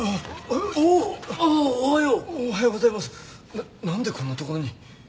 なんでこんなところに？